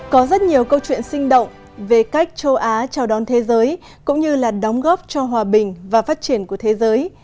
có rất nhiều câu chuyện sinh động về cách châu á chào đón thế giới cũng như là đóng góp cho hòa bình và phát triển của thế giới